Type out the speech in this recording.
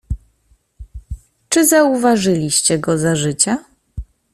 "Czy zauważyliście go za życia?"